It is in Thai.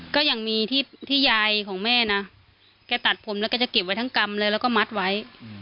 ก็ยังมีที่ยายของแม่นะแกตัดผมแล้วก็จะเก็บไว้ทั้งกำเลยแล้วก็มัดไว้